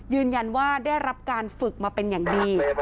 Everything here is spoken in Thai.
ยืนยันว่าได้รับการฝึกมาเป็นอย่างดี